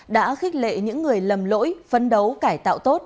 đã khích lệ những người lầm lỗi phân đấu cải tạo tốt